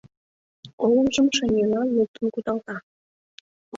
Олымжым шеҥгелан луктын кудалта.